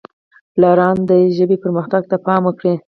پلاران دې د ژبې پرمختګ ته پام وکړي.